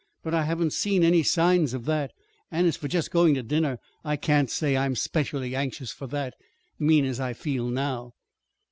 But I haven't seen any signs of that. And as for just going to dinner I can't say I am 'specially anxious for that mean as I feel now."